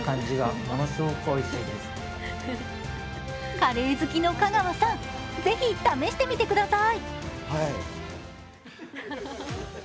カレー好きの香川さん、ぜひ試してみてください。